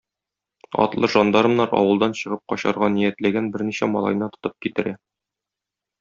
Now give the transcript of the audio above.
Атлы жандармнар авылдан чыгып качарга ниятләгән берничә малайны тотып китерә.